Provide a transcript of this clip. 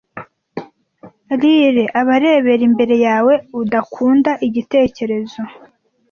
riles abarebera imbere yawe, udakunda igitekerezo